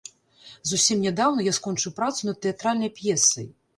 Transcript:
Зусім нядаўна я скончыў працу над тэатральнай п'есай.